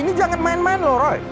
ini jangan main main loh roy